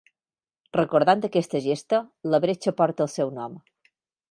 Recordant aquesta gesta, la bretxa porta el seu nom.